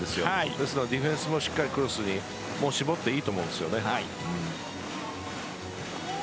ですので、ディフェンスもクロスに絞っていいと思うんですよね。